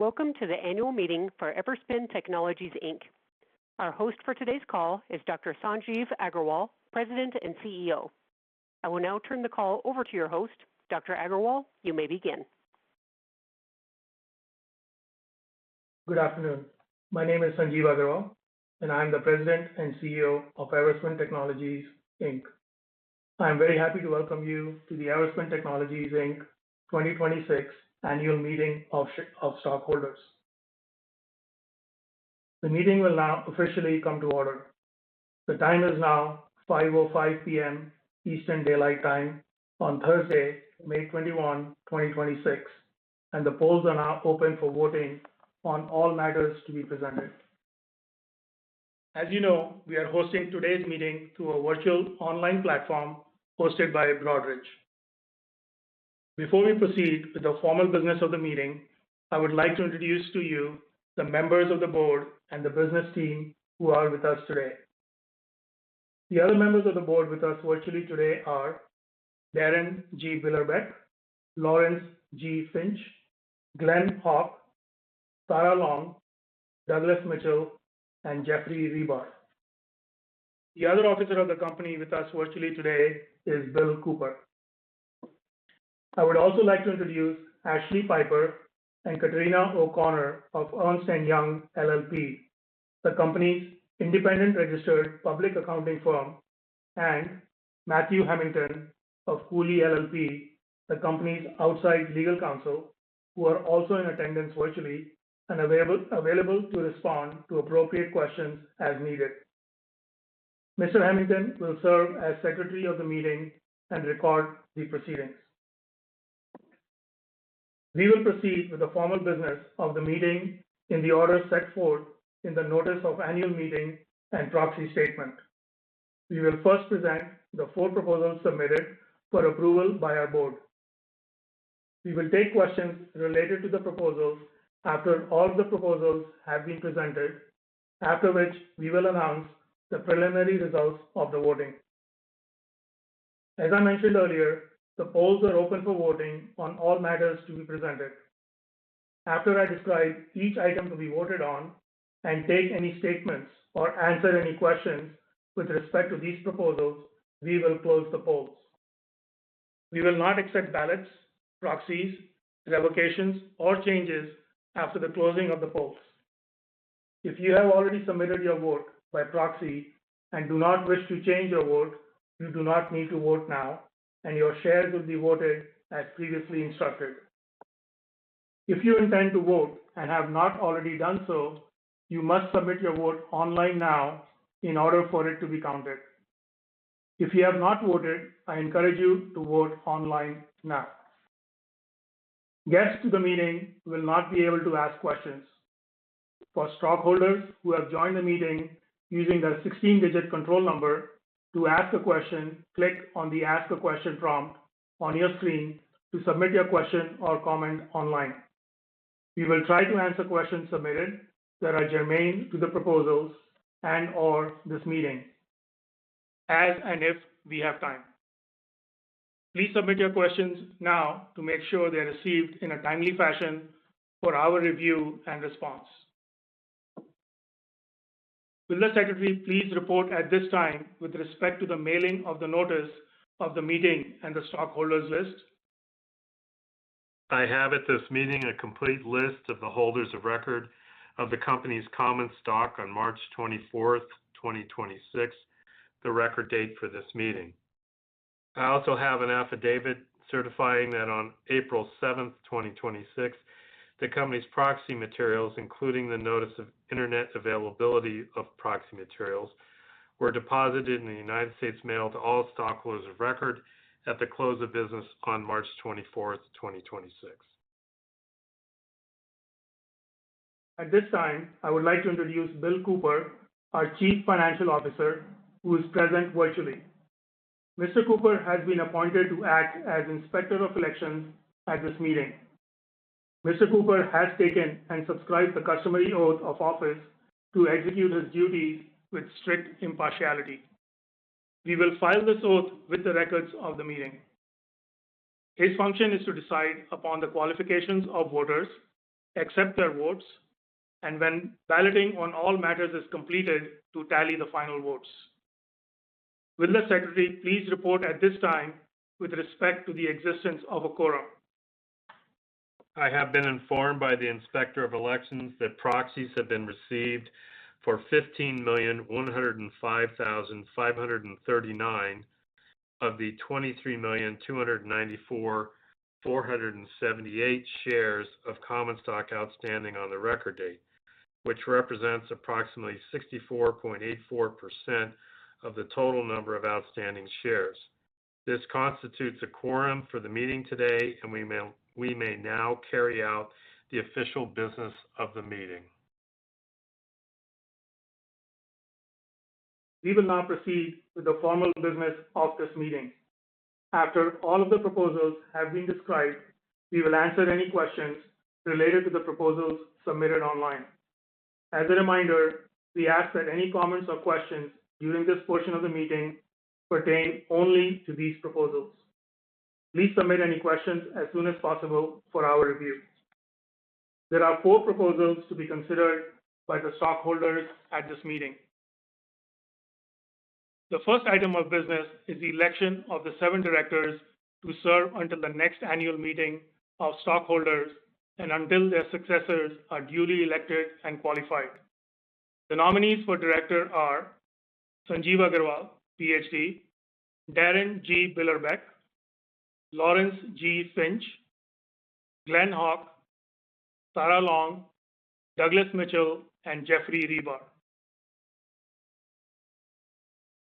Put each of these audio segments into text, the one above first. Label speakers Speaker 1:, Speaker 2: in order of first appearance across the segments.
Speaker 1: Welcome to the annual meeting for Everspin Technologies, Inc. Our host for today's call is Dr. Sanjeev Aggarwal, President and CEO. I will now turn the call over to your host, Dr. Aggarwal. You may begin
Speaker 2: Good afternoon. My name is Sanjeev Aggarwal, and I'm the President and CEO of Everspin Technologies, Inc. I'm very happy to welcome you to the Everspin Technologies, Inc. 2026 annual meeting of stockholders. The meeting will now officially come to order. The time is now 5:05 P.M. Eastern Daylight Time on Thursday, May 21, 2026, and the polls are now open for voting on all matters to be presented. As you know, we are hosting today's meeting through a virtual online platform hosted by Broadridge. Before we proceed with the formal business of the meeting, I would like to introduce to you the members of the Board and the business team who are with us today. The other members of the Board with us virtually today are Darin G. Billerbeck, Lawrence G. Finch, Glen Hawk, Tara Long, Douglas Mitchell, and Geoff Ribar. The other officer of the company with us virtually today is Bill Cooper. I would also like to introduce Ashley Piper and Katerina O'Connor of Ernst & Young LLP, the company's independent registered public accounting firm, and Matthew Hemington of Cooley LLP, the company's outside legal counsel, who are also in attendance virtually and available to respond to appropriate questions as needed. Mr. Hemington will serve as Secretary of the Meeting and record the proceedings. We will proceed with the formal business of the meeting in the order set forth in the notice of annual meeting and proxy statement. We will first present the four proposals submitted for approval by our board. We will take questions related to the proposals after all the proposals have been presented, after which we will announce the preliminary results of the voting. As I mentioned earlier, the polls are open for voting on all matters to be presented. After I describe each item to be voted on and take any statements or answer any questions with respect to these proposals, we will close the polls. We will not accept ballots, proxies, revocations, or changes after the closing of the polls. If you have already submitted your vote by proxy and do not wish to change your vote, you do not need to vote now, and your shares will be voted as previously instructed. If you intend to vote and have not already done so, you must submit your vote online now in order for it to be counted. If you have not voted, I encourage you to vote online now. Guests to the meeting will not be able to ask questions. For stockholders who have joined the meeting using their 16-digit control number, to ask a question, click on the Ask a Question prompt on your screen to submit your question or comment online. We will try to answer questions submitted that are germane to the proposals and/or this meeting as and if we have time. Please submit your questions now to make sure they're received in a timely fashion for our review and response. Will the Secretary please report at this time with respect to the mailing of the notice of the meeting and the stockholders' list?
Speaker 3: I have at this meeting a complete list of the holders of record of the company's common stock on March 24th, 2026, the record date for this meeting. I also have an affidavit certifying that on April 7th, 2026, the company's proxy materials, including the notice of internet availability of proxy materials, were deposited in the United States Mail to all stockholders of record at the close of business on March 24th, 2026.
Speaker 2: At this time, I would like to introduce Bill Cooper, our Chief Financial Officer, who is present virtually. Mr. Cooper has been appointed to act as Inspector of Elections at this meeting. Mr. Cooper has taken and subscribed the customary oath of office to execute his duties with strict impartiality. We will file this oath with the records of the meeting. His function is to decide upon the qualifications of voters, accept their votes, and when balloting on all matters is completed, to tally the final votes. Will the Secretary please report at this time with respect to the existence of a quorum?
Speaker 3: I have been informed by the Inspector of Elections that proxies have been received for 15,105,539 of the 23,294,478 shares of common stock outstanding on the record date, which represents approximately 64.84% of the total number of outstanding shares. This constitutes a quorum for the meeting today. We may now carry out the official business of the meeting.
Speaker 2: We will now proceed with the formal business of this meeting. After all of the proposals have been described, we will answer any questions related to the proposals submitted online. As a reminder, we ask that any comments or questions during this portion of the meeting pertain only to these proposals. Please submit any questions as soon as possible for our review. There are four proposals to be considered by the stockholders at this meeting. The first item of business is the election of the seven Directors to serve until the next annual meeting of stockholders and until their successors are duly elected and qualified. The nominees for Director are Sanjeev Aggarwal, Ph.D., Darin G. Billerbeck, Lawrence G. Finch, Glen Hawk, Tara Long, Douglas Mitchell, and Geoff Ribar.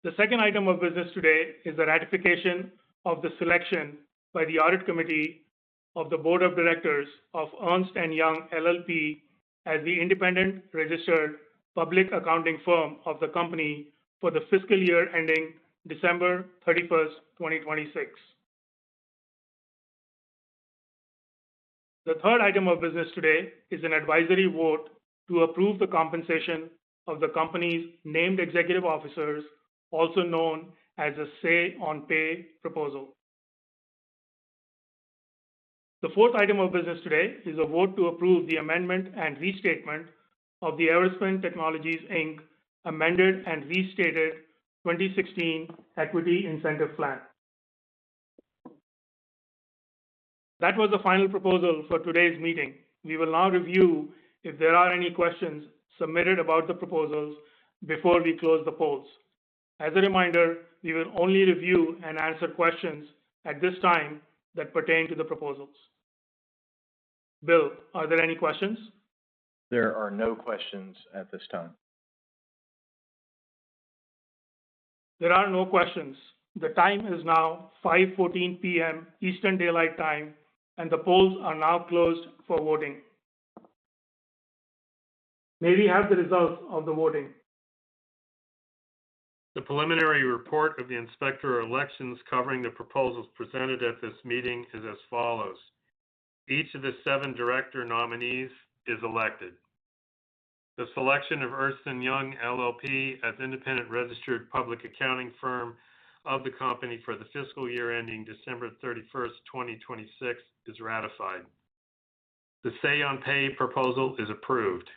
Speaker 2: The second item of business today is the ratification of the selection by the audit committee of the Board of Directors of Ernst & Young LLP as the independent registered public accounting firm of the company for the fiscal year ending December 31st, 2026. The third item of business today is an advisory vote to approve the compensation of the company's named executive officers, also known as a Say on Pay proposal. The fourth item of business today is a vote to approve the amendment and restatement of the Everspin Technologies, Inc. Amended and Restated 2016 Equity Incentive Plan. That was the final proposal for today's meeting. We will now review if there are any questions submitted about the proposals before we close the polls. As a reminder, we will only review and answer questions at this time that pertain to the proposals. Bill, are there any questions?
Speaker 4: There are no questions at this time.
Speaker 2: There are no questions. The time is now 5:14 P.M. Eastern Daylight Time, and the polls are now closed for voting. May we have the results of the voting?
Speaker 3: The preliminary report of the Inspector of Elections covering the proposals presented at this meeting is as follows. Each of the seven director nominees is elected. The selection of Ernst & Young LLP as independent registered public accounting firm of the company for the fiscal year ending December 31st, 2026 is ratified. The Say on Pay proposal is approved.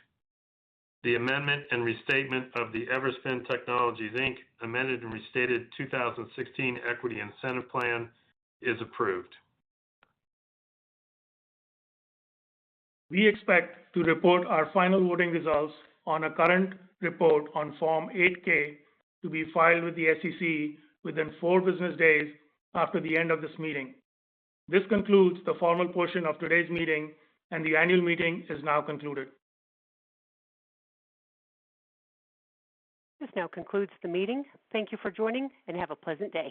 Speaker 3: The amendment and restatement of the Everspin Technologies, Inc. Amended and Restated 2016 Equity Incentive Plan is approved.
Speaker 2: We expect to report our final voting results on a current report on Form 8-K to be filed with the SEC within four business days after the end of this meeting. This concludes the formal portion of today's meeting, and the annual meeting is now concluded.
Speaker 1: This now concludes the meeting. Thank you for joining, and have a pleasant day.